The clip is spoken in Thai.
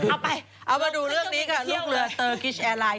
เอาไปเอามาดูเรื่องนี้ค่ะลูกเรือเตอร์กิชแอร์ไลน์